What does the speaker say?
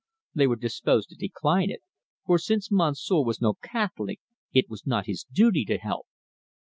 They were disposed to decline it, for since Monsieur was no Catholic, it was not his duty to help.